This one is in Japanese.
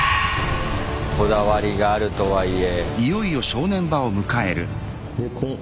こだわりがあるとはいえ。